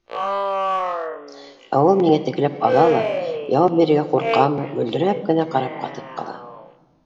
Ә ул миңә текләп ала ла, яуап бирергә ҡурҡамы, мөлдөрәп кенә ҡарап ҡатып ҡала.